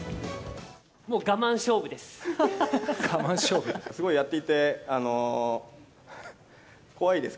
もう我慢勝負です。